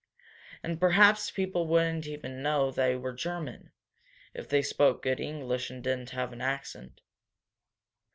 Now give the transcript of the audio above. "And perhaps people wouldn't even know they were Germans, if they spoke good English, and didn't have an accent."